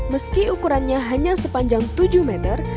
meski ukurannya hanya sepanjang tujuh meter